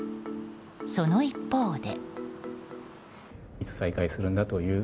その一方で。